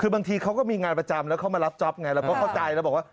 คือบางทีเขาก็มีงานประจำแล้วเขามารับจ๊อปไงเราก็เข้าใจแล้วบอกว่า